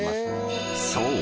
［そう。